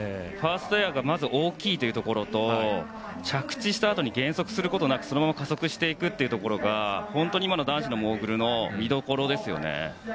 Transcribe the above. ファーストエアがまず大きいというところと着地したあとに減速することなくそのまま加速していくところが本当に今の男子のモーグルの見所ですよね。